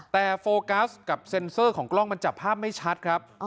แต่โฟกัสกับเซ็นเซอร์ของกล้องมันจับภาพไม่ชัดครับ